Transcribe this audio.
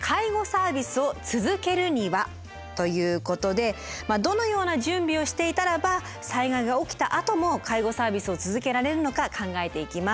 ということでどのような準備をしていたらば災害が起きたあとも介護サービスを続けられるのか考えていきます。